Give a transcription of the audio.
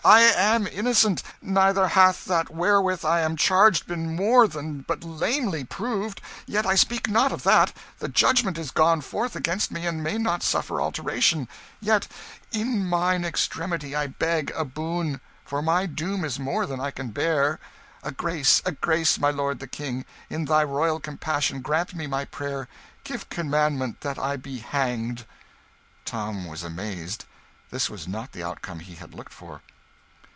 I am innocent neither hath that wherewith I am charged been more than but lamely proved yet I speak not of that; the judgment is gone forth against me and may not suffer alteration; yet in mine extremity I beg a boon, for my doom is more than I can bear. A grace, a grace, my lord the King! in thy royal compassion grant my prayer give commandment that I be hanged!" Tom was amazed. This was not the outcome he had looked for.